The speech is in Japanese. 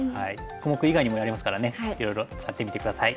小目以外にもやりますからねいろいろ使ってみて下さい。